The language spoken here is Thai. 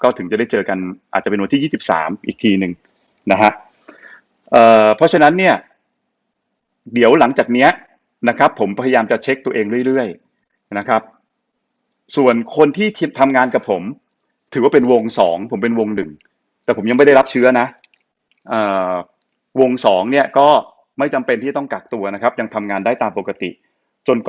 ถึงจะได้เจอกันอาจจะเป็นวันที่๒๓อีกทีหนึ่งนะฮะเพราะฉะนั้นเนี่ยเดี๋ยวหลังจากเนี้ยนะครับผมพยายามจะเช็คตัวเองเรื่อยนะครับส่วนคนที่ทำงานกับผมถือว่าเป็นวงสองผมเป็นวงหนึ่งแต่ผมยังไม่ได้รับเชื้อนะวงสองเนี่ยก็ไม่จำเป็นที่ต้องกักตัวนะครับยังทำงานได้ตามปกติจนก